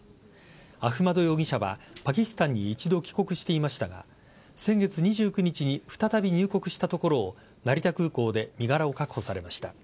アフマド容疑者はパキスタンに一度帰国していましたが先月２９日に再び入国したところを成田空港で身柄を確保されました。